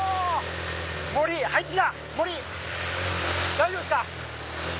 大丈夫ですか？